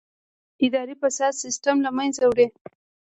اداري فساد سیستم له منځه وړي.